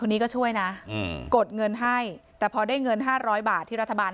นี้ก็ช่วยนะกดเงินให้แต่พอได้เงิน๕๐๐บาทที่รัฐบาล